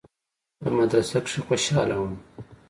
په مدرسه کښې خوشاله وم.